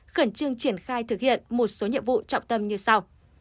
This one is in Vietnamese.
khẩn trương triển khai thực hiện một số nhiệm vụ trọng tâm như sau